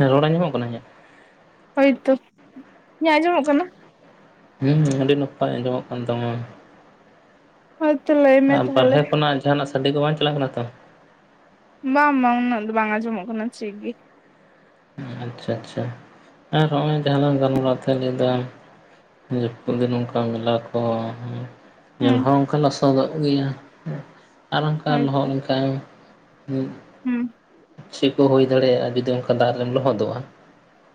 ᱦᱮᱸ ᱨᱚᱲ ᱟᱡᱚᱸᱢᱚᱜ ᱠᱟᱱᱟ ᱤᱧᱟᱸᱜ? ᱦᱳᱭ ᱛᱳ ᱤᱧᱟᱜ ᱟᱸᱡᱚᱢᱚᱜ ᱠᱟᱱᱟ? ᱦᱩᱸ ᱦᱩᱸ ᱟᱹᱰᱤ ᱱᱟᱯᱟᱭ ᱟᱸᱡᱚᱢᱚᱜ ᱠᱟᱱ ᱛᱟᱢᱟ᱾ ᱦᱳᱭ ᱛᱚ ᱞᱟᱹᱭ ᱢᱮ ᱟᱨ ᱛᱟᱦᱚᱞᱮ ᱵᱟᱨᱦᱮ ᱠᱷᱚᱱᱟᱜ ᱡᱟᱦᱟᱸᱱᱟᱜ ᱥᱟᱰᱮ ᱠᱚ ᱵᱟᱝ ᱪᱟᱞᱟᱜ ᱠᱟᱱᱟ ᱛᱚ? ᱵᱟᱝ ᱵᱟᱝ ᱩᱱᱟᱹᱜ ᱫᱚ ᱵᱟᱝ ᱟᱸᱡᱚᱢᱚᱜ ᱠᱟᱱᱟ ᱪᱮᱫ ᱜᱮ᱾ ᱟᱪᱪᱷᱟ ᱟᱪᱪᱷᱟ ᱟᱨ ᱱᱚᱜ-ᱚᱭ ᱡᱟᱦᱟᱸ ᱞᱟᱝ ᱜᱟᱞᱢᱟᱨᱟᱣ ᱛᱟᱦᱮᱸ ᱞᱟᱹᱭ ᱫᱟᱢ [unintelligible] ᱱᱚᱝᱠᱟ ᱢᱮᱞᱟ ᱠᱚ ᱧᱮᱞ ᱦᱩᱸ ᱦᱚᱸ ᱚᱱᱠᱟ ᱞᱚᱥᱚᱫᱚᱜ ᱜᱮᱭᱟ ᱾ ᱟᱨ ᱚᱱᱠᱟ ᱦᱳᱭᱛᱚ ᱞᱚᱦᱚᱫ ᱞᱮᱱᱠᱷᱟᱱ ᱦᱩᱸ ᱪᱮᱫ ᱠᱚ ᱦᱩᱭ ᱫᱟᱲᱮᱭᱟᱜᱼᱟ ᱡᱩᱫᱤᱚᱱ ᱫᱟᱜᱨᱮᱢ ᱞᱚᱦᱚᱫᱚᱜᱼᱟ᱾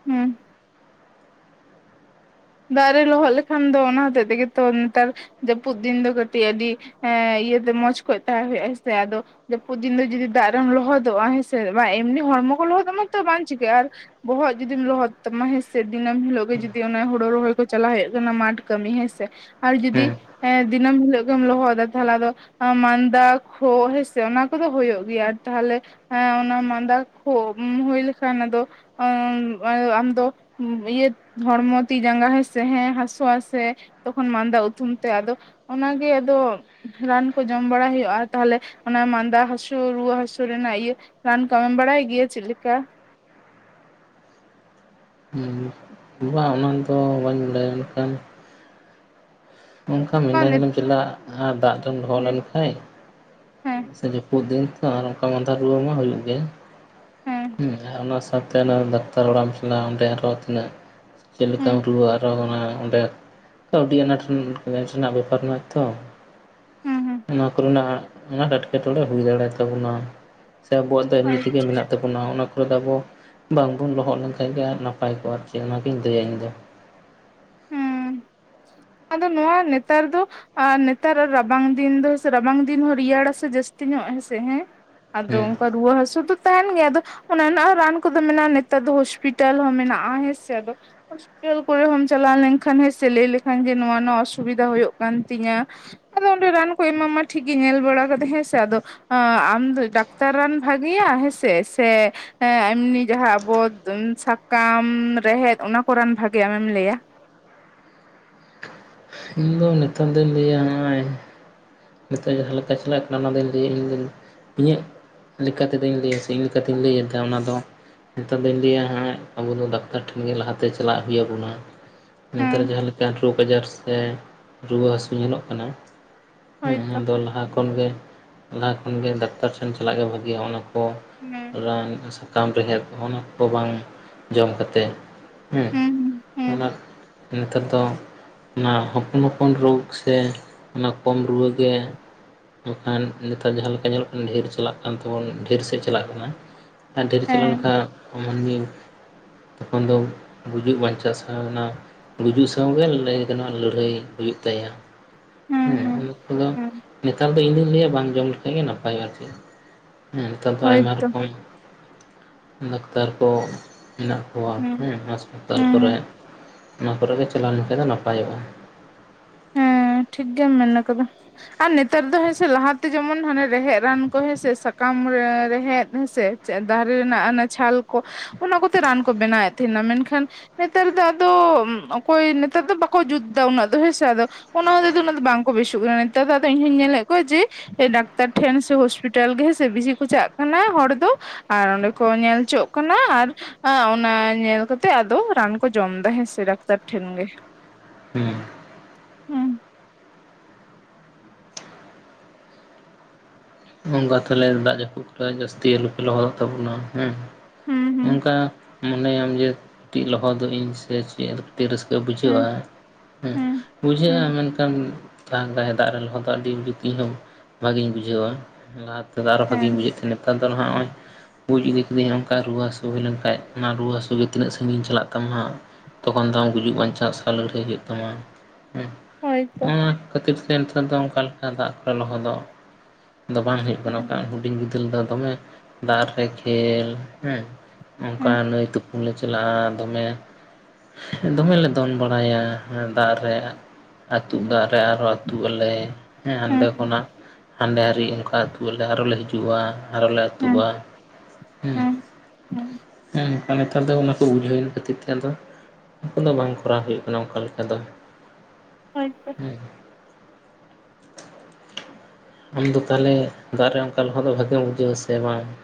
ᱦᱮᱸ᱾ ᱫᱟᱜ ᱨᱮ ᱞᱚᱦᱚᱫ ᱞᱮᱠᱷᱟᱱ ᱫᱚ ᱚᱱᱟ ᱦᱚᱛᱮᱜ ᱛᱮᱜᱮ ᱛᱚ ᱱᱮᱛᱟᱨ ᱡᱟᱹᱯᱩᱫ ᱫᱤᱱ ᱫᱚ ᱠᱟᱹᱴᱤᱡ ᱟᱹᱰᱤ ᱦᱮᱸ ᱤᱭᱟᱹᱛᱮ ᱢᱚᱸᱡᱽ ᱠᱷᱚᱡ ᱛᱟᱦᱮᱸ ᱦᱩᱭᱩᱜ-ᱟ ᱦᱮᱸ ᱥᱮ ᱟᱫᱚ ᱡᱟᱹᱯᱩᱫ ᱫᱤᱱ ᱫᱚ ᱡᱩᱫᱤ ᱫᱟᱜ ᱨᱮᱢ ᱞᱚᱦᱚᱫᱚᱜᱼᱟ ᱦᱮᱸ ᱥᱮ᱾ ᱵᱟᱝ ᱮᱢᱱᱤ ᱦᱚᱲᱢᱚ ᱠᱚ ᱞᱚᱦᱚᱫᱚᱜ ᱢᱟᱛᱚ ᱵᱟᱝ ᱪᱤᱠᱟᱹᱜᱼᱟ ᱟᱨ ᱵᱚᱦᱚᱜ ᱡᱩᱫᱤᱢ ᱞᱚᱦᱚᱫ ᱛᱟᱢᱟ ᱦᱮᱸ ᱥᱮ ᱫᱤᱱᱟᱹᱢ ᱦᱤᱞᱳᱜ ᱜᱮ ᱡᱩᱫᱤ ᱚᱱᱟ ᱦᱳ ᱦᱳᱲᱳ ᱨᱚᱦᱚᱭ ᱠᱚ ᱪᱟᱞᱟᱣ ᱦᱳᱭᱳᱜ ᱠᱟᱱᱟ ᱢᱟᱴᱷ ᱠᱟᱹᱢᱤ ᱦᱮᱸᱥᱮ, ᱟᱨ ᱡᱩᱫᱤ ᱦᱮᱸ ᱦᱮᱸ ᱫᱤᱱᱟᱹᱢ ᱦᱤᱞᱳᱜ ᱜᱮᱢ ᱞᱚᱦᱚᱫᱟ ᱛᱟᱦᱚᱞᱮ ᱫᱚ ᱢᱟᱫᱟ ᱠᱷᱳᱜ ᱦᱮᱸ ᱥᱮ ᱚᱱᱟ ᱠᱚᱫᱚ ᱦᱩᱭᱩᱜ ᱜᱮᱭᱟ ᱟᱨ ᱛᱟᱦᱚᱞᱮ ᱦᱮᱸ ᱚᱱᱟ ᱢᱟᱸᱫᱟ ᱠᱷᱳ ᱦᱩᱭ ᱞᱮᱠᱷᱟᱱ ᱟᱫᱚ ᱟ ᱟᱫᱚ ᱟᱢᱫᱚ ᱤᱭᱟᱹᱛ ᱦᱚᱲᱢᱚ ᱛᱤ ᱡᱟᱸᱜᱟ ᱦᱮᱸ ᱥᱮ ᱦᱟᱥᱩᱼᱟ ᱥᱮ ᱛᱚᱠᱷᱚᱱ ᱢᱟᱫᱟ ᱩᱛᱩᱢ ᱛᱮ ᱟᱫᱚ ᱚᱱᱟᱜᱮ ᱟᱫᱚ ᱨᱟᱱ ᱠᱚ ᱡᱚᱢ ᱵᱟᱲᱟᱭ ᱦᱳᱭᱳᱜᱼᱟ ᱛᱟᱦᱞᱮ ᱚᱱᱟ ᱢᱟᱫᱟ ᱦᱟᱹᱥᱩ ᱨᱩᱣᱟᱹ ᱦᱟᱹᱥᱩ ᱨᱮᱱᱟᱜ ᱤᱭᱟᱹ ᱨᱟᱱ ᱠᱚ ᱟᱢᱮᱢ ᱵᱟᱲᱟᱭ ᱜᱤᱭ ᱪᱤᱜ ᱞᱮᱠᱟ? ᱵᱟᱝ ᱚᱱᱟ ᱫᱚ ᱵᱟᱹᱧ ᱵᱟᱲᱟᱭᱟ ᱢᱮᱱᱠᱷᱟᱱ [unintelligible] ᱪᱮᱫᱟ ᱫᱟᱜᱛᱮᱢ ᱞᱚᱦᱚᱫ ᱦᱮᱸ ᱞᱮᱱ ᱠᱷᱟᱡ ᱥᱮ ᱡᱟᱹᱯᱩᱫ ᱫᱤᱱ ᱛᱚ ᱟᱨ ᱚᱱᱠᱟ ᱢᱟᱫᱟ ᱨᱩᱣᱟᱹ ᱢᱟ ᱦᱩᱭᱩᱜ ᱜᱮᱭᱟ, ᱦᱮᱸ ᱦᱩᱸ ᱟᱨ ᱚᱱᱟ ᱥᱟ ᱫᱟᱠᱛᱟᱨ ᱚᱲᱟᱜ ᱮᱢ ᱪᱟᱞᱟᱜ ᱚᱰᱮ ᱟᱨᱚ ᱛᱤᱱᱟᱜ ᱪᱮᱫ ᱞᱮᱠᱟᱢ ᱦᱮᱸ ᱨᱩᱣᱟᱹᱜ ᱟᱨᱚ ᱚᱱᱟ ᱚᱸᱰᱮ ᱠᱟᱹᱣᱰᱤ ᱟᱱᱟᱴ ᱨᱮᱱᱟᱜ [unintelligible] ᱠᱟᱨᱮᱱᱟᱜ ᱛᱚ ᱦᱮᱸ ᱦᱮᱸ ᱱᱚᱣᱟ ᱠᱚᱨᱮᱱᱟᱜ ᱟᱱᱟᱴ ᱮᱴᱠᱮᱴᱚᱬᱮ ᱦᱩᱭ ᱫᱟᱲᱮᱭᱟ ᱛᱟᱵᱚᱱᱟ ᱥᱮ ᱟᱵᱚᱣᱟᱜ ᱫᱚ ᱮᱢᱱᱤ ᱦᱳᱭ ᱛᱮᱜᱮ ᱢᱮᱱᱟᱜ ᱛᱟᱵᱚᱱᱟ ᱚᱱᱟ ᱠᱚᱨᱮ ᱫᱚ ᱟᱵᱚ ᱵᱟᱝ ᱵᱚᱱ ᱞᱚᱦᱚᱜ ᱞᱮᱱᱠᱷᱟᱱ ᱜᱮ ᱱᱟᱯᱟᱭ ᱠᱚᱜ-ᱟ ᱟᱨ ᱪᱮᱜ ᱚᱱᱟᱜᱤᱧ ᱞᱟᱹᱭᱟ ᱤᱧ ᱫᱚ᱾ ᱦᱩᱸ ᱟᱫᱚ ᱱᱚᱣᱟ ᱱᱮᱛᱟᱨ ᱫᱚ ᱟᱨ ᱱᱮᱛᱟᱨ ᱨᱟᱵᱟᱝ ᱫᱤᱱ ᱫᱚ, ᱨᱟᱵᱟᱝ ᱫᱤᱱ ᱦᱚᱸ ᱨᱮᱭᱟᱲ ᱟᱥᱮ ᱡᱟᱹᱥᱛᱤ ᱧᱚᱜ ᱦᱮᱸᱥᱮ ᱦᱮᱸ, ᱟᱫᱚ ᱦᱮᱸ ᱚᱱᱠᱟ ᱨᱩᱣᱟᱹ ᱦᱟᱹᱥᱩ ᱫᱚ ᱛᱟᱦᱮᱱ ᱜᱮᱭᱟ ᱟᱫᱚ ᱚᱱᱟ ᱨᱮᱱᱟᱜᱦᱚ ᱨᱟᱱ ᱦᱚᱸ ᱨᱟᱱ ᱠᱚᱫᱚ ᱢᱮᱱᱟᱜᱼᱟ ᱱᱮᱛᱟᱨ ᱫᱚ ᱦᱚᱥᱯᱤᱴᱟᱞ ᱦᱚᱸ ᱢᱮᱱᱟᱜᱼᱟ ᱦᱮᱸᱥᱮ, ᱟᱫᱚ ᱦᱚᱥᱯᱤᱴᱟᱞ ᱠᱚᱨᱮ ᱦᱟᱢ ᱪᱟᱞᱟᱣ ᱞᱮᱱᱠᱷᱟᱱ ᱦᱮᱸ ᱥᱮ ᱞᱟᱹᱭ ᱞᱮᱠᱷᱟᱱ ᱡᱮ ᱱᱚᱣᱟ ᱱᱚᱣᱟ ᱚᱥᱩᱵᱤᱫᱟ ᱦᱩᱭᱩᱜ ᱠᱟᱱ ᱛᱤᱧᱟᱹ ᱟᱫᱚ ᱚᱸᱰᱮ ᱨᱟᱱ ᱠᱚ ᱮᱢᱟᱢᱟ ᱴᱷᱤᱠ ᱜᱮ ᱧᱮᱞ ᱵᱟᱲᱟ ᱠᱟᱫᱟ ᱦᱮᱸ ᱥᱮ ᱟᱫᱚ ᱾ ᱟᱢ ᱫᱚ ᱰᱟᱠᱛᱟᱨ ᱨᱟᱱ ᱵᱷᱟᱹᱜᱮᱭᱟ ᱦᱮᱸ ᱥᱮ, ᱥᱮ ᱦᱮᱸ ᱮᱢᱱᱤ ᱡᱟᱦᱟᱸ ᱟᱵᱚ ᱥᱟᱠᱟᱢ ᱨᱮᱦᱮᱫ ᱚᱱᱟ ᱠᱚ ᱨᱟᱱ ᱵᱷᱟᱜᱮ ᱟᱢᱮᱢ ᱞᱟᱹᱭᱟ᱾ ᱤᱧᱫᱚ ᱱᱤᱛᱚᱝ ᱫᱩᱧ ᱞᱟᱹᱭᱟ ᱱᱚᱜᱼᱚᱭ ᱱᱤᱛᱚᱜ ᱡᱟᱦᱟᱸ ᱞᱮᱠᱟ ᱪᱟᱞᱟᱜ ᱠᱟᱱᱟ ᱚᱱᱟ ᱫᱚᱧ ᱞᱟᱹᱭᱟ ᱤᱧ ᱫᱩᱧ ᱤᱧᱟᱹᱜ ᱞᱮᱠᱟ ᱛᱮᱫᱚᱧ ᱞᱟᱹᱭᱟ ᱥᱮ ᱤᱧ ᱞᱮᱠᱟᱛᱤᱧ ᱞᱟᱹᱭᱮᱫᱟ ᱚᱱᱟᱫᱚ ᱱᱮᱛᱟᱨ ᱫᱚᱧ ᱞᱟᱹᱭᱟ ᱦᱟᱸᱜ ᱟᱵᱚᱫᱚ ᱰᱟᱠᱛᱟᱨ ᱴᱷᱮᱱ ᱜᱮ ᱞᱟᱦᱟᱛᱮ ᱪᱟᱞᱟᱜ ᱦᱩᱭ ᱟᱵᱚᱱᱟ ᱱᱮᱛᱟᱨ ᱦᱮᱸ ᱡᱟᱦᱟᱸ ᱞᱮᱠᱟᱱ ᱨᱩᱜᱽ ᱟᱡᱟᱨ ᱥᱮ, ᱨᱩᱣᱟᱹ ᱦᱟᱹᱥᱩ ᱧᱮᱞᱚᱜ ᱠᱟᱱᱟ ᱦᱮᱸ ᱦᱳᱭᱛᱚ ᱟᱫᱚ ᱞᱟᱦᱟ ᱠᱷᱚᱱ ᱜᱮ ᱞᱟᱦᱟ ᱠᱷᱚᱱ ᱜᱮ ᱰᱟᱠᱛᱟᱨ ᱴᱷᱮᱱ ᱪᱟᱞᱟᱜ ᱜᱮ ᱵᱷᱟᱜᱤ ᱚᱱᱟ ᱠᱚ ᱦᱮᱸ ᱨᱟᱱ ᱥᱟᱠᱟᱢ, ᱨᱮᱦᱮᱫ ᱚᱱᱟ ᱠᱚ ᱵᱟᱝ ᱡᱚᱢ ᱠᱟᱛᱮᱜ ᱦᱮᱸ ᱦᱩᱸ ᱦᱩᱸ ᱚᱱᱟ ᱱᱮᱛᱟᱨ ᱫᱚ ᱚᱱᱟ ᱦᱚᱯᱚᱱ ᱦᱚᱯᱚᱱ ᱨᱳᱜᱽ ᱥᱮ ᱚᱱᱟ ᱠᱚᱢ ᱨᱩᱣᱟᱹ ᱜᱮ ᱵᱟᱠᱷᱟᱱ ᱱᱮᱛᱟᱨ ᱡᱟᱦᱟᱸ ᱞᱮᱠᱟ ᱧᱮᱞᱚᱜ ᱠᱟᱱᱟ ᱰᱷᱮᱨ ᱪᱟᱞᱟᱜ ᱠᱟᱱ ᱛᱟᱵᱚᱱ ᱰᱷᱮᱨ ᱥᱮᱫ ᱪᱟᱞᱟᱜ ᱠᱟᱱᱟ ᱟᱨ ᱰᱷᱮᱨ ᱪᱟᱞᱟᱣ ᱦᱮᱸ ᱞᱮᱱᱠᱷᱟᱱ ᱢᱟᱹᱱᱢᱤ ᱛᱚᱠᱷᱚᱱ ᱫᱚ ᱜᱩᱡᱩᱜ ᱵᱟᱧᱪᱟᱜ ᱥᱟᱶ ᱚᱱᱟ ᱜᱩᱡᱩᱜ ᱥᱟᱶᱜᱮ ᱞᱟᱹᱭ ᱜᱟᱱᱚᱟ ᱞᱟᱹᱲᱦᱟᱹᱭ ᱦᱩᱭᱩᱜ ᱛᱟᱭᱟ, ᱦᱩᱸ ᱦᱮᱸ ᱦᱩᱸ ᱚᱱᱟ ᱠᱚᱫᱚ ᱦᱩᱸ ᱱᱮᱛᱟᱨ ᱫᱚ ᱤᱧ ᱫᱩᱧ ᱞᱟᱹᱭᱟ ᱵᱟᱝ ᱡᱚᱢ ᱞᱮᱠᱷᱟ ᱜᱮ ᱱᱟᱯᱟᱭᱚᱜᱼᱟ ᱟᱨᱠᱤ, ᱦᱮᱸ ᱱᱮᱛᱟᱨ ᱫᱚ ᱟᱭᱢᱟ ᱦᱳᱭᱛᱚ ᱨᱚᱠᱚᱢ ᱰᱟᱠᱛᱟᱨ ᱠᱚ ᱦᱮᱱᱟᱜ ᱠᱚᱣᱟ ᱦᱩᱸ ᱦᱮᱸ ᱟᱥᱯᱟᱛᱟᱞ ᱦᱩᱸ ᱠᱚᱨᱮ ᱦᱩᱸ ᱚᱱᱟ ᱠᱚᱨᱮ ᱜᱮ ᱪᱟᱞᱟᱣ ᱞᱮᱱᱠᱷᱟᱡ ᱫᱚ ᱱᱟᱯᱟᱭᱚᱜᱼᱟ ᱾ ᱦᱮᱸ ᱴᱷᱤᱠ ᱜᱮᱢ ᱢᱮᱱ ᱟᱠᱟᱫᱟ, ᱟᱨ ᱱᱮᱛᱟᱨ ᱫᱚ ᱦᱮᱸᱥᱮ ᱞᱟᱦᱟᱛᱮ ᱡᱮᱢᱚᱱ ᱦᱟᱱᱮ ᱨᱮᱦᱮᱫ ᱨᱟᱱ ᱠᱚ ᱦᱮᱸᱥᱮ ᱥᱟᱠᱟᱢ ᱨᱮᱦᱮᱫ ᱦᱮᱸᱥᱮ ᱪᱮᱫ ᱫᱟᱨᱮ ᱨᱮᱱᱟᱜ ᱚᱱᱟ ᱪᱷᱟᱞ ᱠᱚ ᱚᱱᱟ ᱠᱚᱛᱮ ᱨᱟᱱ ᱠᱚ ᱵᱮᱱᱟᱣᱮᱫ ᱛᱟᱦᱮᱱᱟ ᱢᱮᱱᱠᱷᱟᱱ ᱱᱮᱛᱟᱨ ᱫᱚ ᱟᱫᱚ ᱚᱠᱚᱭ ᱱᱮᱛᱟᱨ ᱫᱚ ᱵᱟᱠᱚ ᱡᱩᱛ ᱫᱟ ᱩᱱᱟᱹᱜ ᱫᱚ ᱦᱮᱸᱥᱮ ᱟᱫᱚ ᱚᱱᱟ ᱦᱚᱛᱮ ᱛᱮ ᱫᱚ ᱩᱱᱟᱹᱜ ᱫᱚ ᱵᱟᱝᱠᱚ ᱵᱮᱥᱚᱜ ᱠᱟᱱᱟ ᱱᱮᱛᱟᱨ ᱫᱚ ᱟᱫᱚ ᱤᱧᱦᱚᱧ ᱧᱮᱞᱮᱫ ᱠᱚᱣᱟ ᱡᱮ ᱰᱟᱠᱛᱟᱨ ᱴᱷᱮᱱ ᱥᱮ ᱦᱚᱥᱯᱤᱴᱟᱞ ᱜᱮ ᱦᱮᱸᱥᱮ ᱵᱤᱥᱤ ᱠᱚ ᱪᱟᱜ ᱠᱟᱱᱟ ᱦᱚᱲ ᱫᱚ ᱟᱨ ᱚᱸᱰᱮ ᱠᱚ ᱧᱮᱞᱪᱚᱜ ᱠᱟᱱᱟ ᱟᱨ ᱟᱨ ᱚᱱᱟ ᱧᱮᱞ ᱠᱟᱛᱮᱜ ᱟᱫᱚ ᱨᱟᱱ ᱠᱚ ᱡᱚᱢ ᱫᱟ ᱦᱮᱸᱥᱮ ᱰᱟᱠᱛᱟᱨ ᱴᱷᱮᱱ ᱜᱮ ᱾ ᱦᱮᱸ ᱦᱮᱸ ᱚᱱᱠᱟ ᱛᱟᱦᱚᱞᱮ ᱫᱟᱜ ᱡᱟᱹᱯᱩ ᱠᱚᱨᱮ ᱡᱟᱹᱥᱛᱤ ᱟᱞᱚᱯᱮ ᱞᱚᱦᱚᱫᱚᱜ ᱛᱟᱵᱚᱱᱟ ᱦᱮᱸ, ᱦᱩᱸ ᱦᱩᱸ ᱪᱤᱠᱟ ᱢᱚᱱᱮᱭᱟᱢ ᱡᱮ ᱡᱮ ᱞᱚᱦᱚᱫᱚᱜ ᱟᱹᱧ ᱥᱮ ᱪᱮᱫ [unintelligible] ᱨᱟᱹᱥᱠᱟᱹ ᱦᱩᱸ ᱵᱩᱡᱷᱟᱹᱜᱼᱟ ᱦᱮᱸ ᱦᱩᱸ ᱦᱩᱸ ᱵᱩᱡᱷᱟᱹᱜᱼᱟ ᱢᱮᱱᱠᱷᱟᱱ ᱫᱟᱜᱼᱟᱭ ᱫᱟᱜ ᱨᱮ ᱞᱚᱦᱚᱫ ᱫᱚ ᱟᱹᱰᱤ ᱡᱩᱠᱛᱤᱧ ᱦᱚᱸ ᱵᱷᱟᱜᱤᱧ ᱵᱩᱡᱷᱟᱹᱣᱟ ᱞᱟᱦᱟᱛᱮ ᱱᱮᱛᱟᱨ ᱫᱚ ᱦᱮᱸ ᱵᱷᱟᱜᱤᱧ ᱵᱩᱡᱽ ᱮᱫ ᱛᱟᱦᱮᱸᱱᱟ, ᱱᱮᱛᱟᱨ ᱫᱚ ᱱᱟᱜ ᱱᱚᱜᱼᱚᱭ ᱦᱩᱭ ᱤᱫᱤᱼᱼ ᱡᱩᱫᱤ ᱱᱚᱠᱟ ᱨᱩᱣᱟᱹ ᱦᱟᱹᱥᱩ ᱦᱩᱭ ᱞᱮᱱ ᱠᱷᱟᱡ ᱚᱱᱟ ᱨᱩᱣᱟᱹ ᱦᱟᱹᱥᱩ ᱜᱮ ᱛᱤᱱᱟᱹᱜ ᱥᱟᱺᱜᱤᱧ ᱪᱟᱞᱟᱜ ᱛᱟᱢᱟ ᱛᱚᱠᱷᱚᱱ ᱫᱚ ᱟᱢ ᱜᱩᱡᱩᱜ ᱵᱟᱧᱪᱟᱜ ᱥᱟᱜ ᱞᱟᱹᱲᱦᱟᱹᱭ ᱦᱩᱭᱩᱜ ᱛᱟᱢᱟ, ᱦᱮᱸ ᱦᱳᱭ ᱛᱚ ᱚᱱᱟ ᱠᱷᱟᱹᱛᱤᱨ ᱛᱮ ᱱᱮᱛᱟᱨ ᱫᱚ ᱚᱱᱠᱟ ᱞᱮᱠᱟ ᱫᱟᱜ ᱠᱚᱨᱮ ᱞᱚᱦᱚᱫᱚᱜ ᱫᱚ ᱵᱟᱝ ᱦᱩᱭᱩᱜ ᱠᱟᱱᱟ ᱵᱟᱠᱟᱱ ᱦᱮᱸ ᱦᱩᱰᱤᱧ ᱵᱤᱫᱟᱞ ᱫᱚ ᱫᱚᱢᱮ ᱫᱟᱜ ᱨᱮ ᱠᱷᱮᱞ ᱦᱮᱸ ᱚᱱᱠᱟ ᱦᱮᱸ ᱱᱟᱹᱭ ᱛᱩᱯᱩᱱ ᱞᱮ ᱪᱟᱞᱟᱜᱼᱟ ᱫᱚᱢᱮ ᱾ ᱫᱚᱢᱮ ᱞᱮ ᱫᱚᱱ ᱵᱟᱲᱟᱭᱟ ᱫᱟᱜ ᱨᱮ ᱾ ᱟᱹᱛᱩᱜ ᱫᱟᱜ ᱨᱮ ᱟᱨ ᱦᱚᱸ ᱟᱹᱛᱩᱜ ᱟᱞᱮ ᱾ ᱦᱮᱸ ᱦᱟᱸᱰᱮ ᱠᱷᱚᱱᱟᱜ ᱦᱟᱸᱰᱮ ᱦᱟᱹᱨᱤᱡ ᱚᱱᱠᱟ ᱟᱹᱛᱩ ᱟᱞᱮ ᱟᱨᱚ ᱞᱮ ᱦᱤᱡᱩᱜᱼᱟ ᱾ ᱟᱨᱚ ᱞᱮ ᱦᱮᱸ ᱟᱹᱛᱩᱜᱼᱟ ᱦᱮᱸ ᱾ ᱟᱨ ᱱᱮᱛᱟᱨ ᱫᱚ ᱚᱱᱟ ᱠᱚ ᱵᱩᱡᱷᱟᱹᱣᱮᱱ ᱠᱷᱟᱹᱛᱤᱨ ᱛᱮ ᱟᱫᱚ ᱩᱱᱠᱩ ᱫᱚ ᱵᱟᱝ ᱠᱚᱨᱟᱣ ᱦᱩᱭᱩᱜ ᱠᱟᱱᱟ ᱚᱠᱟ ᱞᱮᱠᱟ ᱫᱚ ᱾ ᱦᱚᱭ ᱟᱢ ᱫᱚ ᱛᱟᱦᱚᱞᱮ ᱫᱟᱜ ᱨᱮ ᱚᱱᱠᱟ ᱞᱚᱦᱚᱫ ᱫᱚ ᱵᱷᱟᱜᱮᱢ ᱵᱩᱡᱷᱟᱹᱣᱟ ᱥᱮ ᱵᱟᱝ ᱟᱯᱮ᱾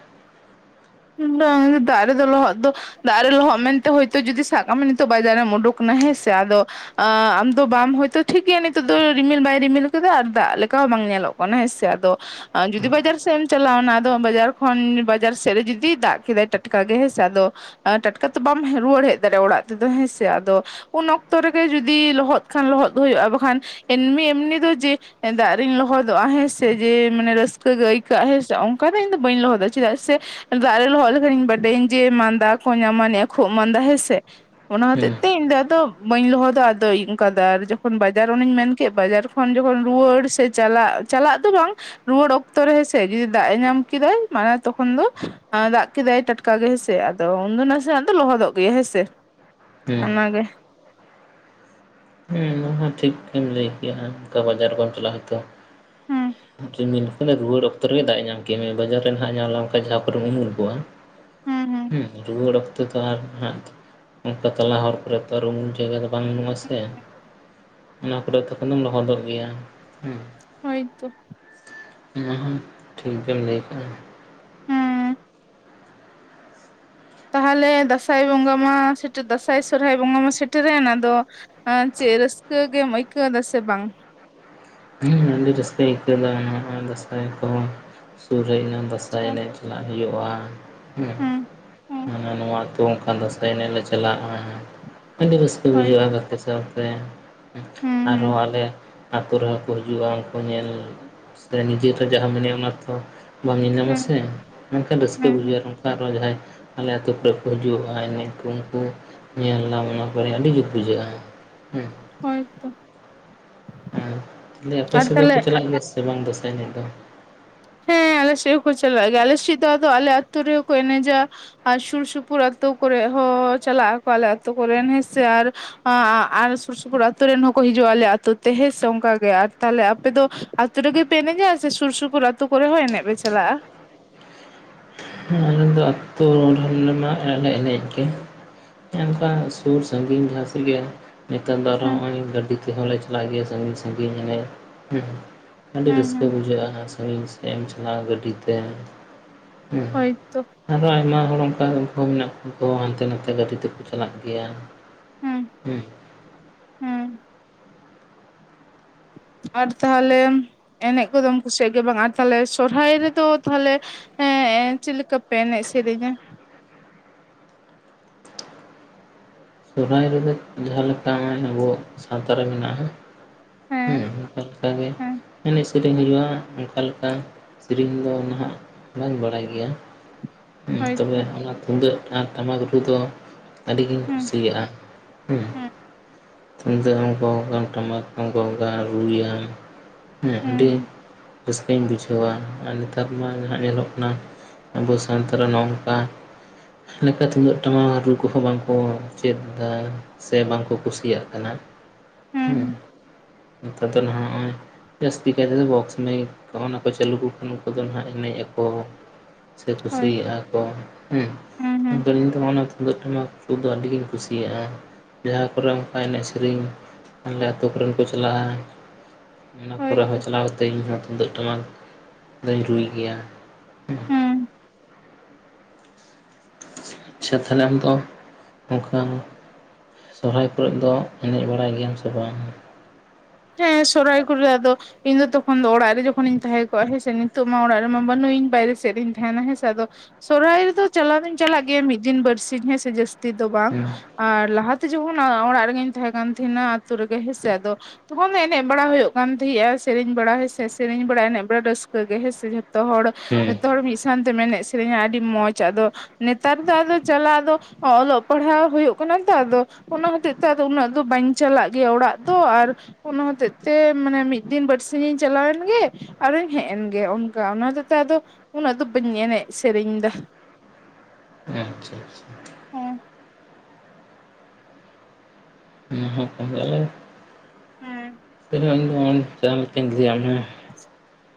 ᱵᱟᱝ ᱫᱟᱜ ᱨᱮᱫᱚ ᱞᱚᱦᱚᱫ ᱫᱚ ᱫᱟᱜ ᱨᱮ ᱞᱚᱦᱚᱫ ᱢᱮᱱᱛᱮ ᱦᱚᱭᱛᱚ ᱡᱩᱫᱤ ᱥᱟᱵ ᱠᱟᱜ ᱢᱮ ᱱᱤᱛᱚᱜ ᱵᱟᱡᱟᱨ ᱮᱢ ᱩᱰᱩᱠᱱᱟ ᱦᱮᱸ ᱥᱮ ᱟᱫᱚ ᱟᱢ ᱫᱚ ᱵᱟᱢ ᱦᱚᱭᱛᱚ ᱴᱷᱤᱠ ᱜᱮᱭᱟ ᱱᱤᱛᱚᱜ ᱫᱚ ᱨᱤᱢᱤᱞ ᱵᱟᱭ ᱨᱤᱢᱤᱞ ᱠᱟᱫᱟ ᱟᱨ ᱫᱟᱜ ᱞᱮᱠᱟ ᱦᱚᱸ ᱵᱟᱝ ᱧᱮᱞᱚᱜ ᱠᱟᱱᱟ ᱾ ᱦᱮᱸ ᱥᱮ ᱟᱫᱚ ᱡᱩᱫᱤ ᱵᱟᱡᱟᱨ ᱥᱮᱜ ᱮᱢ ᱪᱟᱞᱟᱣᱱᱟ ᱟᱫᱚ ᱵᱟᱡᱟᱨ ᱠᱷᱚᱱ ᱵᱟᱡᱟᱨ ᱥᱮᱜ ᱨᱮ ᱡᱩᱫᱤ ᱡᱩᱫᱤᱭ ᱫᱟᱜ ᱠᱮᱫᱟᱭ ᱴᱟᱴᱠᱟ ᱜᱮ ᱦᱮᱸᱥᱮ ᱟᱫᱚ ᱴᱟᱴᱠᱟ ᱛᱚ ᱵᱟᱢ ᱦᱮᱜ ᱨᱩᱣᱟᱹᱲ ᱦᱮᱡ ᱫᱟᱲᱮ ᱚᱲᱟᱜ ᱛᱮᱫᱚ ᱦᱮᱸᱥᱮ ᱟᱫᱚ ᱩᱱ ᱚᱠᱛᱚ ᱨᱮᱜᱮ ᱡᱩᱫᱤ ᱞᱚᱦᱚᱫ ᱠᱷᱟᱱ ᱞᱚᱦᱚᱫ ᱦᱩᱭᱩᱜᱼᱟ ᱵᱟᱠᱷᱟᱱ ᱮᱢᱱᱤ ᱮᱢᱱᱤ ᱫᱚ ᱡᱮ ᱫᱟᱜ ᱨᱤᱧ ᱞᱚᱦᱚᱫᱚᱜᱼᱟ ᱦᱮᱸ ᱥᱮ ᱡᱮ ᱢᱟᱱᱮ ᱨᱟᱹᱥᱠᱟᱹ ᱜᱮ ᱟᱹᱭᱠᱟᱹᱜᱼᱟ ᱦᱮᱸ ᱥᱮ ᱚᱝᱠᱟ ᱫᱚ ᱤᱧ ᱫᱚ ᱵᱟᱹᱧ ᱞᱚᱦᱚᱫᱚᱜᱼᱟ ᱪᱮᱫᱟᱜ ᱥᱮ ᱫᱟᱜ ᱨᱮ ᱞᱚᱦᱚᱫ ᱞᱮᱠᱷᱟᱱᱤᱧ ᱵᱟᱰᱟᱭᱤᱧ ᱡᱮ ᱢᱟᱸᱫᱟ ᱠᱚ ᱧᱟᱢᱟᱱᱤᱜᱼᱟ ᱠᱷᱳᱜ ᱢᱟᱸᱫᱟ ᱦᱮᱸ ᱥᱮ ᱚᱱᱟ ᱦᱮᱸ ᱦᱚᱛᱮᱜ ᱛᱮ ᱤᱧ ᱫᱚ ᱟᱫᱚ ᱵᱟᱹᱧ ᱞᱚᱦᱚᱫᱟ ᱟᱫᱚ ᱚᱝᱠᱟ ᱫᱟᱜ ᱨᱮ ᱡᱚᱠᱷᱚᱱ ᱵᱟᱡᱟᱨ ᱚᱱᱮᱧ ᱢᱮᱱ ᱠᱮᱜ ᱵᱟᱡᱟᱨ ᱠᱷᱚᱱ ᱡᱚᱠᱷᱚᱱ ᱨᱩᱣᱟᱹᱲ ᱥᱮ ᱪᱟᱞᱟᱜ ᱪᱟᱞᱟᱜ ᱫᱚ ᱵᱟᱝ ᱨᱩᱣᱟᱹᱲ ᱚᱠᱛᱚ ᱨᱮ ᱦᱮᱸ ᱥᱮ ᱡᱩᱫᱤ ᱫᱟᱜ ᱮ ᱧᱟᱢ ᱠᱮᱫᱟᱭ ᱢᱟᱱᱮ ᱛᱚᱠᱷᱚᱱ ᱫᱚ ᱟᱸᱻ ᱫᱟᱜ ᱠᱮᱫᱟᱭ ᱴᱟᱴᱠᱟ ᱜᱮ ᱦᱮᱸᱥᱮ ᱟᱫᱚ ᱩᱱᱫᱚ ᱱᱟᱥᱮᱱᱟᱜ ᱫᱚ ᱞᱚᱦᱚᱫᱚᱜ ᱜᱮᱭᱟ ᱦᱮᱸ ᱥᱮ ᱾ ᱦᱮᱸ ᱚᱱᱟ ᱜᱮ ᱦᱮᱸ ᱴᱷᱤᱠ ᱮᱢ ᱞᱟᱹᱭ ᱠᱮᱜᱼᱟ ᱚᱝᱠᱟ ᱵᱟᱡᱟᱨ ᱠᱚᱢ ᱪᱟᱞᱟᱜᱼᱟ ᱦᱚᱭᱛᱚ ᱾ ᱦᱩᱸ ᱡᱮᱢ ᱢᱮᱱ ᱠᱮᱫᱟ ᱨᱩᱣᱟᱹᱲ ᱚᱠᱛᱚ ᱨᱮ ᱫᱟᱜ ᱮ ᱧᱟᱢ ᱠᱮᱜ ᱢᱮᱭᱟ ᱵᱟᱡᱟᱨ ᱨᱮᱱᱟᱸᱜ ᱮ ᱧᱟᱢ ᱞᱮᱢᱠᱷᱟᱡ ᱡᱟᱦᱟᱸ ᱠᱚᱨᱮᱢ ᱩᱢᱩᱞ ᱠᱚᱣᱟ ᱾ ᱦᱩᱸ ᱦᱩᱸ ᱦᱩᱸ ᱨᱩᱣᱟᱹᱲ ᱚᱠᱛᱚ ᱛᱚ ᱟᱨ ᱱᱟᱦᱟᱜ ᱚᱝᱠᱟ ᱛᱟᱞᱟ ᱦᱚᱨ ᱠᱚᱨᱮ ᱛᱚ ᱟᱨ ᱩᱢᱩᱞ ᱡᱟᱭᱜᱟ ᱫᱚ ᱵᱟᱝ ᱱᱚᱢᱟ ᱥᱮ ᱚᱱᱟ ᱠᱚᱨᱮ ᱛᱚᱠᱷᱚᱱ ᱫᱚᱢ ᱞᱚᱦᱚᱫᱚᱜ ᱜᱮᱭᱟ ᱾ ᱦᱮᱸ ᱦᱚᱭ ᱛᱚ ᱾ ᱦᱚᱭ ᱴᱷᱤᱠ ᱜᱮᱢ ᱞᱟᱹᱭ ᱠᱟᱜᱼᱟ ᱾ ᱦᱩᱸ ᱛᱟᱦᱚᱞᱮ ᱫᱟᱸᱥᱟᱭ ᱵᱚᱸᱜᱟ ᱢᱟ ᱥᱮᱴᱮ ᱫᱟᱸᱥᱟᱭ ᱥᱚᱨᱦᱟᱭ ᱵᱚᱸᱜᱟ ᱢᱟ ᱥᱮᱴᱮᱨᱮᱱ ᱟᱫᱚ ᱪᱮᱜ ᱨᱟᱹᱥᱠᱟᱹ ᱜᱮᱢ ᱟᱹᱭᱠᱟᱹᱣ ᱫᱟ ᱥᱮ ᱵᱟᱝ? ᱦᱮᱸ ᱟᱹᱰᱤ ᱨᱟᱹᱥᱠᱟᱹᱧ ᱟᱹᱭᱠᱟᱹᱣ ᱫᱟ ᱾ ᱱᱚᱜᱼᱚᱭ ᱫᱟᱥᱟᱭ ᱠᱚᱦᱚᱸ ᱥᱩᱨ ᱦᱮᱡ ᱱᱟ ᱫᱟᱸᱥᱟᱭ ᱟᱪᱪᱷᱟ ᱮᱱᱮᱡ ᱪᱟᱞᱟᱜ ᱦᱩᱭᱩᱜᱼᱟ ᱦᱮᱸ ᱦᱩᱸ ᱾ ᱦᱩᱸ ᱦᱟᱱᱟ ᱱᱚᱣᱟ ᱟᱛᱳ ᱚᱝᱠᱟ ᱫᱟᱸᱥᱟᱭ ᱮᱱᱮᱡ ᱞᱮ ᱪᱟᱞᱟᱜᱼᱟ ᱾ ᱟᱹᱰᱤ ᱨᱟᱹᱥ ᱠᱟᱹ ᱦᱳᱭ ᱵᱩᱡᱷᱟᱹᱜᱼᱟ ᱜᱟᱛᱮ ᱥᱟᱶ ᱛᱮ᱾ ᱦᱩᱸ ᱟᱨᱦᱚᱸ ᱦᱩᱸ ᱟᱞᱮ ᱟᱹᱛᱩ ᱨᱮ ᱦᱚᱸ ᱠᱚ ᱦᱤᱡᱩᱜᱼᱟ ᱚᱝᱠᱚ ᱧᱮᱞ ᱥᱮ ᱱᱤᱡᱮ ᱛᱚ ᱡᱟᱦᱟᱢ ᱮᱱᱮᱜᱼᱟ ᱚᱱᱟ ᱛᱚ ᱵᱟᱢ ᱧᱮᱞ ᱧᱟᱢᱟ ᱥᱮ ᱦᱩᱸ ᱢᱮᱱᱠᱷᱟᱱ ᱨᱟᱹᱥᱠᱟᱹ ᱦᱩᱸ ᱦᱩᱸ ᱵᱩᱡᱷᱟᱹᱜᱼᱟ ᱾ ᱱᱚᱝᱠᱟ ᱟᱨᱚ ᱡᱟᱦᱟᱸᱭ ᱟᱞᱮ ᱟᱹᱛᱩ ᱠᱚᱨᱮᱜ ᱠᱚ ᱦᱤᱡᱩᱜᱼᱟᱭ ᱮᱱᱮᱡ ᱠᱚ ᱩᱱᱠᱩ ᱧᱮᱞ ᱫᱟᱢ ᱚᱱᱟ ᱠᱚᱨᱮ ᱟᱹᱰᱤ ᱡᱩᱠ ᱵᱩᱡᱷᱟᱹᱜᱼᱟ ᱾ ᱦᱮᱸ ᱦᱚᱭ ᱛᱚ ᱦᱮ ᱛᱟᱦᱞᱮ ᱟᱯᱮ ᱟᱨ ᱥᱮᱫ ᱫᱚᱠᱚ ᱛᱟᱦᱞᱮ ᱪᱟᱞᱟᱜ ᱜᱮᱭᱟ ᱥᱮ ᱵᱟᱝ ᱫᱟᱥᱟᱭ ᱮᱱᱮᱡ ᱫᱚ? ᱦᱮᱸ ᱟᱞᱮ ᱥᱮᱜ ᱦᱚᱸ ᱠᱚ ᱪᱟᱞᱟᱜᱼᱟ ᱜᱮᱭᱟ ᱟᱞᱮᱥᱮᱜ ᱫᱚ ᱟᱫᱚ ᱟᱞᱮ ᱟᱛᱳ ᱨᱮᱜᱮ ᱠᱚ ᱮᱱᱮᱡᱟ ᱾ ᱟᱨ ᱥᱩᱨ ᱥᱩᱯᱩᱨ ᱟᱹᱛᱳ ᱠᱚᱨᱮᱜ ᱦᱚᱸ ᱪᱟᱞᱟᱜ ᱟᱠᱚ ᱟᱞᱮ ᱟᱹᱛᱳ ᱠᱚᱨᱮᱱ ᱦᱮᱸᱥᱮ ᱟᱨ ᱟᱨ ᱟᱨ ᱥᱩᱨ ᱥᱩᱯᱩᱨ ᱟᱹᱛᱳ ᱨᱮᱱ ᱦᱚᱸᱠᱚ ᱦᱤᱡᱩᱜᱼᱟ ᱟᱞᱮ ᱟᱹᱛᱳ ᱛᱮ ᱦᱮᱸ ᱥᱮ ᱚᱝᱠᱟ ᱜᱮ ᱟᱨ ᱛᱟᱦᱞᱮ ᱟᱯᱮ ᱫᱚ ᱟᱸᱛᱳ ᱨᱮ ᱜᱮ ᱯᱮ ᱮᱱᱮᱡᱟ ᱥᱮ ᱥᱩᱨ ᱥᱩᱯᱩᱨ ᱟᱹᱛᱳ ᱠᱚᱨᱮ ᱦᱚᱸ ᱮᱱᱮᱡ ᱯᱮ ᱪᱟᱞᱟᱜᱼᱟ? ᱦᱮᱸ ᱟᱞᱮ ᱫᱚ ᱟᱛᱳ [unintelligible] ᱟᱨ ᱞᱮ ᱮᱱᱮᱡ ᱜᱮ ᱾ ᱚᱝᱠᱟ ᱥᱩᱨ ᱥᱟᱺᱜᱤᱧ ᱡᱟᱦᱟᱸ ᱥᱮᱜ ᱜᱮ ᱾ ᱱᱮᱛᱟᱨ ᱫᱚ ᱟᱨ ᱦᱚᱸ ᱦᱩᱸ ᱱᱚᱜᱼᱚᱭ ᱜᱟᱹᱰᱤ ᱛᱮᱦᱚᱸ ᱞᱮ ᱪᱟᱞᱟᱜ ᱜᱮᱭᱟ ᱥᱟᱺᱜᱤᱧ ᱥᱟᱺᱜᱤᱧ ᱮᱱᱮᱡ ᱦᱚᱸ ᱾ ᱟᱹᱰᱤ ᱦᱩᱸ ᱨᱟᱹᱥᱠᱟᱹ ᱦᱩᱸ ᱵᱩᱡᱷᱟᱹᱜᱼᱟ, ᱥᱟᱺᱜᱤᱧ ᱥᱮᱜ ᱮᱢ ᱪᱟᱞᱟᱜᱼᱟ ᱜᱟᱹᱰᱤᱛᱮ᱾ ᱦᱳᱭᱛᱚ᱾ ᱟᱨᱚ ᱟᱭᱢᱟ ᱦᱚᱲ ᱚᱝᱠᱟ ᱩᱱᱠᱩ ᱦᱚᱸ ᱢᱮᱱᱟᱜ ᱠᱟᱜ ᱠᱚᱭᱟ ᱦᱟᱱᱛᱮ ᱱᱟᱛᱮ ᱜᱟᱹᱰᱤ ᱛᱮᱠᱚ ᱪᱟᱞᱟᱜ ᱜᱮᱭᱟ᱾ ᱦᱮᱸ᱾ ᱦᱮᱸ᱾ ᱟᱨ ᱛᱟᱦᱚᱞᱮ ᱮᱱᱮᱜ ᱠᱚᱫᱚᱢ ᱠᱩᱥᱤᱭᱟᱜ ᱜᱮᱭᱟ ᱵᱟᱝ ᱟᱨ ᱛᱟᱦᱞᱮ ᱥᱚᱨᱦᱟᱭ ᱨᱮᱫᱚ ᱛᱟᱦᱚᱞᱮ? ᱦᱮᱸ ᱮ ᱪᱮᱫ ᱞᱮᱠᱟ ᱯᱮ ᱮᱱᱮᱡ ᱥᱮᱨᱮᱧᱟ? ᱥᱚᱦᱨᱟᱭ ᱨᱮᱫᱚ ᱡᱟᱦᱟᱸ ᱞᱮᱠᱟ ᱦᱚᱜᱼᱚᱭ ᱟᱵᱚᱣᱟᱜ ᱥᱟᱶᱛᱟ ᱨᱮ ᱢᱮᱱᱟᱜᱼᱟ᱾ ᱦᱩᱸ ᱦᱮᱸ ᱚᱱᱠᱟ ᱦᱮᱸ ᱞᱮᱠᱟ ᱜᱮᱼᱼ ᱥᱮᱨᱮᱧ ᱦᱩᱭᱩᱜᱼᱟ, ᱚᱝᱠᱟ ᱞᱮᱠᱟ ᱥᱮᱨᱮᱧ ᱫᱚ ᱱᱟᱦᱟᱜ ᱵᱟᱹᱧ ᱵᱟᱲᱟᱭ ᱜᱮᱭᱟ᱾ ᱦᱮᱸ ᱛᱚᱵᱮ ᱦᱳᱭᱛᱚ ᱚᱱᱟ ᱛᱩᱢᱫᱟᱹᱜ ᱟᱨ ᱴᱟᱢᱟᱠ ᱨᱩ ᱫᱚ ᱟᱹᱰᱤ ᱜᱤᱧᱼᱼ ᱦᱩᱸ ᱠᱩᱥᱤᱭᱟᱜᱼᱟ ᱦᱮᱸ᱾ ᱦᱩᱸ ᱛᱩᱢᱫᱟᱜ ᱮᱢ ᱜᱚᱜᱟᱢ ᱴᱟᱢᱟᱠ ᱦᱚᱸᱢ ᱜᱚᱜᱟ ᱨᱩᱭᱟᱢ᱾ ᱦᱩᱸ ᱟᱹᱰᱤ ᱨᱟᱹᱥᱠᱟᱹᱧ ᱵᱩᱡᱷᱟᱹᱣᱟ ᱟᱨ ᱱᱮᱛᱟᱨ ᱢᱟ ᱡᱟᱦᱟᱸᱜ ᱧᱮᱞᱚᱜ ᱠᱟᱱᱟᱼᱼ ᱟᱵᱚ ᱥᱟᱱᱛᱟ ᱨᱮ ᱱᱚ ᱱᱚᱠᱟ ᱞᱮᱠᱟ ᱛᱩᱢᱫᱟᱹᱜ ᱴᱟᱢᱟᱠ ᱨᱩ ᱠᱚᱦᱚᱸ ᱵᱟᱝᱠᱚᱼᱼ ᱪᱮᱫᱫᱟ ᱥᱮ ᱵᱟᱝᱠᱚ ᱠᱩᱥᱤᱭᱟᱜ ᱠᱟᱱᱟ ᱦᱩᱸ ᱦᱮᱸ᱾ ᱦᱩᱸ ᱱᱮᱛᱟᱨ ᱫᱚ ᱱᱟᱜᱼᱦᱚᱭ ᱼᱼ ᱡᱟᱹᱥᱛᱤ ᱠᱟᱭ ᱛᱮᱫᱚ ᱵᱚᱠᱥ ᱢᱟᱭᱤᱠ ᱦᱚᱜᱼᱚ‌‌ ᱱᱟ ᱠᱚ ᱪᱟᱹᱞᱩ ᱟᱠᱚ ᱠᱷᱟᱱ ᱩᱱᱠᱩ ᱫᱚ ᱦᱟᱜ ᱮᱱᱮᱡ ᱟᱠᱚ᱾ ᱥᱮ ᱦᱳᱭ ᱠᱩᱥᱤᱭᱟᱜᱼᱟ ᱠᱚ ᱦᱮᱸ ᱦᱩᱸ ᱦᱩᱸ ᱢᱮᱱ ᱤᱧ ᱫᱚ ᱛᱩᱢᱫᱟᱹᱜ ᱴᱟᱢᱟᱠ ᱠᱚᱫᱚ ᱟᱹᱰᱤᱜᱤᱧ ᱠᱩᱼᱼ ᱠᱩᱥᱤᱭᱟᱜᱼᱟ, ᱡᱟᱦᱟᱸ ᱠᱚᱨᱮ ᱚᱱᱠᱟ ᱮᱱᱮᱡ ᱥᱮᱨᱮᱧᱼᱼ ᱟᱞᱮ ᱟᱹᱛᱩ ᱠᱚ ᱨᱮᱱ ᱠᱚ ᱪᱟᱞᱟᱜᱼᱟ᱾ ᱚᱱᱟ ᱠᱚᱨᱮ ᱦᱳᱭᱛᱚ ᱦᱚᱸ ᱪᱟᱞᱟᱣ ᱠᱟᱛᱮ ᱤᱧᱦᱚᱸ ᱛᱩᱢᱫᱟᱹᱜ ᱴᱟᱢᱟᱠ ᱫᱚᱧ ᱨᱩᱭ ᱜᱮᱭᱟ᱾ ᱦᱩᱸ ᱟᱪᱪᱷᱟ ᱛᱟᱦᱞᱮ ᱟᱢᱫᱚ ᱚᱱᱠᱟᱼᱼ ᱥᱚᱦᱨᱟᱭ ᱠᱚᱨᱮ ᱫᱚ ᱮᱱᱮᱡ ᱵᱟᱲᱟᱭ ᱜᱮᱭᱟᱢ ᱥᱮ ᱵᱟᱝ? ᱦᱮᱸ ᱥᱚᱦᱨᱟᱭ ᱠᱚᱨᱮ ᱟᱫᱚᱼᱼ ᱤᱧ ᱫᱚ ᱛᱚᱠᱷᱚᱱ ᱫᱚ ᱚᱲᱟᱜ ᱨᱮ ᱡᱚᱠᱷᱚᱱᱤᱧ ᱛᱟᱦᱮᱸ ᱠᱚᱜᱼᱟ, ᱦᱮᱸ ᱥᱮ ᱱᱤᱛᱚᱜ ᱢᱟ ᱚᱲᱟᱜ ᱨᱮᱢᱟ ᱵᱟᱹᱱᱩᱧ ᱵᱟᱭᱨᱮ ᱥᱮᱫ ᱤᱧ ᱛᱟᱦᱮᱱᱟ ᱦᱮᱸ ᱥᱮ ᱟᱫᱚᱼᱼ ᱥᱚᱦᱨᱟᱭ ᱨᱮᱫᱚ ᱪᱟᱞᱟᱣ ᱫᱚᱧ ᱪᱟᱞᱟᱜ ᱜᱮᱭᱟ ᱢᱤᱫ ᱫᱤᱱ ᱵᱟᱨᱥᱤᱧ ᱦᱮᱸᱥᱮ ᱡᱟᱹᱥᱼᱼ ᱛᱤ ᱫᱚ ᱵᱟᱝ ᱦᱮᱸ ᱟᱨ ᱞᱟᱦᱟᱛᱮ ᱡᱚᱠᱷᱚᱱ ᱚᱲᱟᱜ ᱨᱮᱜᱤᱧ ᱛᱟᱦᱮᱸ ᱠᱟᱱ‌ ᱛᱟᱦᱮᱱᱟ, ᱟᱹᱛᱳ ᱨᱮᱜᱮ ᱦᱮᱸᱥᱮ ᱟᱫᱚ ᱼᱼ ᱛᱚᱠᱷᱚᱱ ᱫᱚ ᱮᱱᱮᱡ ᱵᱟᱲᱟ ᱦᱩᱭᱩᱜ ᱠᱟᱱ ᱛᱟᱦᱮᱸᱜᱼᱟ, ᱥᱮᱨᱮᱧ ᱵᱟᱲᱟ ᱦᱮᱥᱮ ᱥᱮᱨᱮᱧ ᱵᱟᱲᱟ ᱮᱱᱮᱡ ᱵᱟᱲᱟ ᱨᱟᱹᱥᱠᱟᱹ ᱜᱮ ᱦᱮᱸ ᱥᱮ ᱡᱷᱚᱛᱚ ᱦᱚᱲᱼᱼ ᱦᱮᱸ ᱡᱚᱛᱚ ᱦᱚᱲ ᱢᱤᱫ ᱥᱟᱶᱛᱮᱢ ᱮᱱᱮᱡ ᱥᱮᱨᱮᱧᱟ ᱟᱹᱰᱤ ᱢᱚᱸᱡᱽ ᱟᱫᱚᱼᱼ ᱱᱮᱛᱟᱨ ᱫᱚ ᱟᱫᱚ ᱪᱟᱞᱟᱜ ᱟᱫᱚ ᱚᱞᱚᱜ ᱯᱟᱲᱦᱟᱣ ᱦᱩᱭᱩᱜ ᱠᱟᱱᱟ ᱛᱚ ᱟᱫᱚᱼᱼ ᱚᱱᱟ ᱦᱚᱛᱮᱡ ᱛᱮ ᱟᱫᱚ ᱩᱱᱟᱹᱜ ᱫᱚ ᱵᱟᱹᱧ ᱪᱟᱞᱟᱜ ᱜᱮᱭᱟ ᱚᱲᱟᱜ ᱫᱚ ᱟᱨᱼᱼ ᱚᱱᱟ ᱦᱚᱛᱮᱡ ᱛᱮ ᱢᱟᱱᱮ ᱢᱤᱫ ᱫᱤᱱ ᱵᱟᱨᱥᱤᱧ ᱤᱧ ᱪᱟᱞᱟᱣᱮᱱ ᱜᱮ᱾ ᱟᱨᱚᱧ ᱦᱮᱡ ᱮᱱᱜᱮ ᱚᱱᱠᱟ, ᱚᱱᱟ ᱛᱚ ᱟᱫᱚ ᱩᱱᱟᱹᱜ ᱫᱚ ᱵᱟᱹᱧ ᱮᱱᱮᱡ ᱥᱮᱨᱮᱧ ᱮᱫᱟ᱾ ᱟᱪᱪᱷᱟ ᱟᱪᱪᱷᱟ᱾ ᱦᱮᱸ [unintelligible] ᱦᱮᱸ [unintelligible]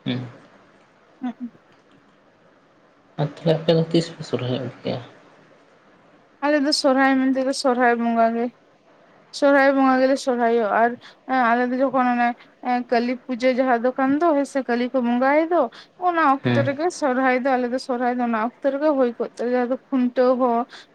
ᱦᱩᱸ ᱦᱮᱸ᱾ ᱟᱨ ᱛᱟᱦᱚᱞᱮ ᱟᱯᱮ ᱫᱚ ᱛᱤᱥ ᱯᱮ ᱥᱚᱦᱨᱟᱭᱚᱜ ᱜᱮᱭᱟ? ᱟᱞᱮ ᱫᱚ ᱥᱚᱨᱦᱟᱭ ᱢᱮᱱᱛᱮ ᱫᱚ ᱥᱚᱨᱦᱟᱭ ᱵᱚᱸᱜᱟ ᱜᱮ, ᱥᱚᱨᱦᱟᱭ ᱵᱚᱸᱜᱟ ᱜᱮᱞᱮ ᱥᱚᱨᱦᱟᱭᱚᱜ ᱟᱨᱼᱼ ᱮᱸ ᱟᱞᱮ ᱫᱚ ᱡᱚᱠᱷᱚᱱ ᱚᱱᱮ ᱠᱟᱹᱞᱤ ᱯᱩᱡᱟᱹ ᱡᱟᱦᱟᱸ ᱫᱚᱠᱟᱱ ᱫᱚ ᱥᱮ ᱠᱟᱹᱞᱤ ᱠᱚ ᱵᱚᱸᱜᱟᱭᱮ ᱫᱚ᱾ ᱚᱱᱟ ᱚᱠᱛᱚ ᱦᱮᱸ ᱨᱮᱜᱮ ᱥᱚᱨᱦᱟᱭ ᱫᱚ ᱟᱞᱮ ᱫᱚ ᱥᱚᱨᱦᱟᱭ ᱫᱚ ᱚᱱᱟ ᱚᱠᱛᱚ ᱨᱮᱜᱮ ᱦᱩᱭ ᱠᱚᱜ ᱛᱟᱞᱮᱭᱟ ᱟᱫᱚ ᱠᱷᱩᱱᱴᱟᱹᱣ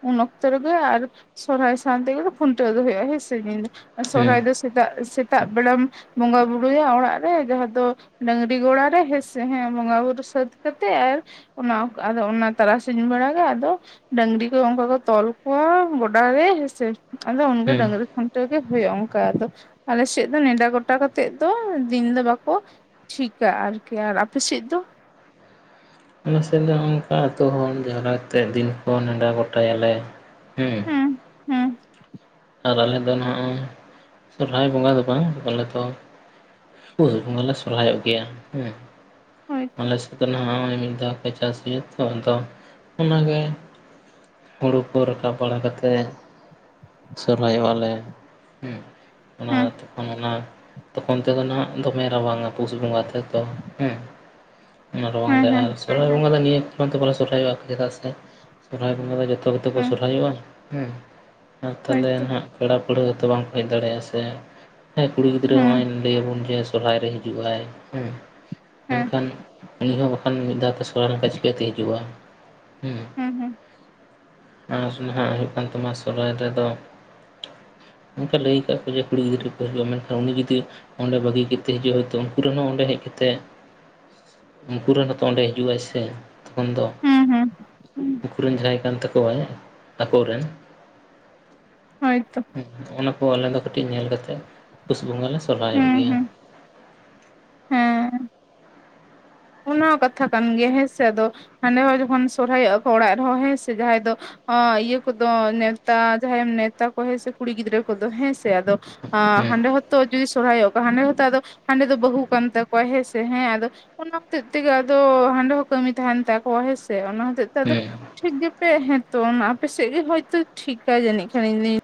ᱦᱚᱸ᱾ ᱩᱱ ᱚᱠᱛᱚ ᱨᱮᱜᱮ ᱟᱨ ᱥᱚᱨᱦᱟᱭ ᱥᱟᱶ ᱛᱮᱜᱮ ᱠᱷᱩᱱᱴᱟᱹᱣ ᱫᱚ ᱦᱩᱭᱩᱜᱼᱟ ᱦᱮᱥᱮ ᱟᱨ ᱦᱮᱸ ᱥᱚᱦᱨᱟᱭ ᱫᱚᱼᱼ ᱥᱮᱛᱟᱜ ᱥᱮᱛᱟᱜ ᱵᱮᱲᱟᱢ ᱵᱚᱸᱜᱟ ᱵᱩᱨᱩᱭᱟ ᱚᱲᱟᱜ ᱨᱮ ᱡᱟᱦᱟᱸ ᱫᱚᱼᱼ ᱰᱟᱹᱝᱨᱤ ᱜᱚᱲᱟ ᱨᱮ ᱦᱮᱸᱥᱮ ᱦᱮᱸ ᱵᱚᱸᱜᱟ ᱵᱩᱨᱩ ᱥᱟᱹᱛ ᱠᱟᱛᱮᱫ ᱟᱨᱼᱼ ᱚᱱᱟ ᱟᱫᱚ ᱚᱱᱟ ᱛᱟᱨᱟᱥᱤᱧ ᱵᱮᱲᱟ ᱜᱮ ᱟᱫᱚ ᱰᱟᱹᱝᱨᱤ ᱠᱚ ᱚᱱᱠᱟ ᱠᱚᱼᱼ ᱛᱚᱞ ᱠᱚᱣᱟ ᱜᱚᱰᱟ ᱨᱮ ᱦᱮᱸᱥᱮ, ᱟᱫᱚ ᱩᱱᱜᱮ ᱦᱮᱸ ᱰᱟᱝᱨᱤᱼᱼ ᱠᱷᱩᱱᱴᱟᱹᱣ ᱜᱮ ᱦᱩᱭᱩᱜᱼᱟ, ᱚᱱᱠᱟ ᱟᱫᱚ ᱟᱞᱮ ᱥᱮᱫ ᱫᱚ ᱱᱮᱰᱟ ᱜᱚᱴᱟ ᱠᱟᱛᱮᱜ ᱫᱚ ᱫᱤᱱ ᱫᱚ ᱵᱟᱠᱚᱼᱼ ᱪᱷᱤᱠᱟ ᱟᱨᱠᱤ ᱟᱨ ᱟᱯᱮ ᱥᱮᱫ ᱫᱚ? ᱟᱞᱮᱥᱮᱫ ᱫᱚ ᱚᱝᱠᱟ ᱟᱛᱳ ᱦᱚᱲ ᱡᱟᱣᱨᱟ ᱠᱟᱛᱮᱫ ᱫᱤᱱ ᱠᱚ ᱱᱮᱰᱟ ᱜᱚᱴᱟᱭᱟᱞᱮ ᱦᱩᱸ᱾ ᱦᱮᱸ ᱦᱮᱸ ᱟᱨ ᱟᱞᱮᱫᱚ ᱱᱚᱦᱟᱜᱼᱚ ᱥᱚᱦᱨᱟᱭ ᱵᱚᱸᱜᱟ ᱫᱚ ᱵᱟᱝ ᱟᱞᱮ ᱫᱚ ᱯᱳᱥ ᱵᱚᱸᱜᱟ ᱞᱮ ᱥᱚᱨᱦᱟᱭᱚᱜ ᱜᱮᱭᱟ ᱦᱩᱸ ᱦᱳᱭᱛᱚ ᱟᱞᱮᱥ ᱟᱫᱚ ᱱᱟᱦᱟᱜ ᱚᱱᱮ ᱢᱤᱫ ᱫᱷᱟᱣ ᱯᱮ ᱪᱟᱥ ᱦᱩᱭᱩᱜ ᱛᱚ ᱟᱫᱚ ᱚᱱᱟᱜᱮ ᱦᱳᱲᱩ ᱠᱚ ᱨᱟᱠᱟᱵ ᱵᱟᱲᱟ ᱠᱟᱛᱮᱫ ᱥᱚᱨᱚᱦᱟᱭᱚᱜ ᱞᱮ ᱦᱩᱸ ᱚᱱᱟ ᱦᱮᱸ ᱛᱚᱠᱷᱚᱱ ᱚᱱᱟ ᱛᱚᱠᱷᱚᱱ ᱛᱮᱫᱚ ᱱᱟᱜ ᱫᱚᱢᱮ ᱨᱟᱵᱟᱝᱼᱟ ᱯᱩᱥ ᱵᱚᱸᱜᱟ ᱛᱮᱫᱚ ᱦᱩᱸ, ᱚᱱᱟ ᱨᱟᱵᱟᱝ ᱦᱮᱸ ᱨᱮ ᱦᱮᱸ ᱟᱨ ᱥᱚᱦᱨᱟᱭ ᱵᱚᱸᱜᱟ ᱫᱚ ᱱᱤᱭᱟᱹ ᱠᱟᱨᱚᱱ ᱛᱮ ᱵᱟᱞᱮ ᱥᱚᱦᱨᱟᱭᱚᱜᱼᱟ ᱪᱮᱫᱟᱜ ᱥᱮᱼᱼ ᱥᱚᱦᱨᱟᱭ ᱵᱚᱸᱜᱟ ᱫᱚ ᱡᱚᱛᱚ ᱜᱮᱛᱚ ᱠᱚ ᱦᱮᱸ ᱥᱚᱦᱨᱟᱭᱚᱜᱼᱟ ᱦᱩᱸ᱾ ᱟᱨ ᱛᱟᱦᱚᱞᱮ ᱦᱳᱭᱛᱚ ᱱᱟᱦᱟᱜ ᱯᱮᱲᱟ ᱯᱟᱹᱲᱦᱟᱹ ᱛᱚ ᱵᱟᱝᱠᱚ ᱦᱮᱡ ᱫᱟᱲᱮᱭᱟᱜᱼᱟ ᱥᱮ, ᱦᱮᱸ ᱠᱩᱲᱤ ᱜᱤᱫᱽᱨᱟᱹ ᱦᱚᱸᱜᱼᱚᱭ ᱦᱮᱸ ᱞᱟᱹᱭᱟᱵᱚᱱ ᱡᱮ ᱥᱚᱦᱨᱟᱭ ᱨᱮ ᱦᱤᱡᱩᱜ ᱟᱭ ᱦᱩᱸ ᱦᱮᱸ ᱢᱮᱱᱠᱷᱟᱱ ᱩᱱᱤ ᱦᱚᱸ ᱠᱷᱟᱱ ᱢᱤᱫ ᱫᱷᱟᱣ ᱛᱮ ᱥᱚᱦᱨᱟᱭ ᱞᱮᱱᱠᱷᱟᱱ ᱪᱤᱠᱟᱹ ᱛᱮ ᱦᱤᱡᱩᱜᱼᱟ ᱦᱩᱸ? ᱦᱩᱸ ᱦᱩᱸ᱾ ᱟᱨ ᱱᱟᱦᱟᱜ ᱦᱩᱭᱩᱜ ᱠᱟᱱ ᱛᱟᱢᱟ ᱥᱚᱨᱚᱦᱟᱭ ᱨᱮᱫᱚ ᱚᱱᱠᱟ ᱞᱟᱹᱭ ᱠᱟ ᱡᱮ ᱠᱩᱲᱤ ᱜᱤᱫᱽᱨᱟᱹ ᱠᱚ ᱦᱤᱡᱩᱜᱼᱟ ᱢᱮᱱᱠᱷᱟᱱ ᱩᱱᱤ ᱡᱩᱫᱤ, ᱚᱸᱰᱮ ᱵᱟᱹᱜᱤ ᱠᱟᱛᱮᱫ ᱦᱤᱡᱩᱜ ᱦᱚᱭ ᱛᱚ ᱩᱱᱠᱩ ᱨᱮᱱ ᱦᱚᱸ ᱚᱸᱰᱮ ᱦᱮᱡ ᱠᱟᱛᱮᱫᱼᱼ ᱩᱱᱠᱩ ᱨᱮᱱ ᱦᱚᱸᱛᱚ ᱚᱸᱰᱮ ᱦᱤᱡᱩᱜᱼᱟᱭ ᱥᱮ᱾ ᱛᱚᱠᱷᱚᱱ ᱫᱚ ᱦᱮᱸ ᱦᱮᱸ ᱦᱮᱸ ᱩᱱᱠᱩᱨᱮᱱ ᱡᱟᱦᱟᱸᱭ ᱠᱟᱱ ᱛᱟᱠᱚᱣᱟᱭ ᱟᱠᱚᱨᱮᱱ ᱦᱚᱭ ᱛᱚ᱾ ᱚᱱᱟ ᱠᱚ ᱟᱞᱮ ᱫᱚ ᱠᱟᱹᱴᱤᱡ ᱧᱮᱞ ᱠᱟᱛᱮᱜ ᱯᱳᱥ ᱵᱚᱸᱜᱟ ᱞᱮ ᱥᱚᱨᱦᱟᱭᱚᱜ ᱦᱮᱸ ᱜᱮᱭᱟ᱾ ᱦᱮᱸ ᱦᱮᱸ ᱚᱱᱟ ᱠᱟᱛᱷᱟ ᱠᱟᱱ ᱜᱮᱭᱟ ᱦᱮᱸ ᱥᱮ ᱟᱫᱚ ᱦᱟᱸᱰᱮ ᱦᱚᱸ ᱡᱚᱠᱷᱚᱱ ᱥᱚᱨᱦᱟᱭᱚᱜᱼᱟ ᱠᱚ ᱚᱲᱟᱜ ᱨᱮᱦᱚᱸ ᱦᱮᱸ ᱥᱮ ᱡᱟᱦᱟᱸᱭ ᱫᱚ ᱚᱸ ᱤᱭᱟᱹ ᱠᱚᱫᱚ ᱱᱮᱣᱛᱟ ᱡᱟᱦᱟᱸᱭ ᱮᱢ ᱱᱮᱛᱟ ᱠᱚ ᱦᱮᱸ ᱥᱮ ᱠᱩᱲᱤ ᱜᱤᱫᱽᱨᱟᱹ ᱠᱚᱫᱚ ᱦᱮᱸ ᱥᱮ ᱟᱫᱚ ᱟᱸ ᱦᱮᱸ ᱦᱟᱰᱮ ᱦᱚ ᱛᱚ ᱡᱩᱫᱤ ᱥᱚᱨᱦᱟᱭᱚᱜ ᱠᱚ ᱦᱟᱸᱰᱮ ᱦᱚᱸᱛᱚ ᱟᱫᱚ ᱦᱟᱸᱰᱮ ᱫᱚ ᱵᱟᱹᱦᱩ ᱠᱟᱱ ᱛᱟᱠᱚᱣᱟ ᱦᱮᱸ ᱥᱮᱸ ᱦᱮᱸ ᱟᱫᱚ ᱚᱱᱟ ᱛᱮᱫ ᱛᱮᱜᱮ ᱟᱫᱚ ᱦᱟᱸᱰᱮ ᱦᱚᱸ ᱠᱟᱹᱢᱤ ᱛᱟᱦᱮᱱ ᱛᱟᱠᱚᱣᱟ ᱦᱮᱸᱥᱮ, ᱚᱱᱟ ᱦᱚᱛᱮᱜ ᱛᱮ ᱟᱫᱚ ᱦᱮᱸ ᱴᱷᱤᱠ ᱜᱮᱯᱮ ᱦᱮᱸ ᱛᱚ ᱚᱱᱟ ᱟᱯᱮᱥᱮᱜ ᱜᱮ ᱦᱳᱭᱛᱚ ᱴᱷᱤᱠᱟ ᱡᱟᱹᱱᱤᱡ ᱠᱷᱟᱱᱟᱹ ᱤᱧᱫᱩᱧ